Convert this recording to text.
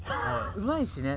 うまいしね。